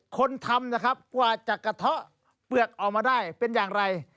คนทำนะครับกว่าจะกระเทาะเปลือกออกมาได้เป็นอย่างไร